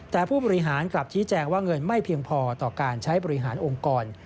แต่ผู้บริหารกลับชี้แจงว่าเงินไม่เพียงพอต่อการใช้บริหารองค์กร